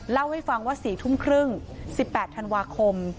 เล่าให้ฟังว่า๔ทุ่มครึ่ง๑๘ธันวาคม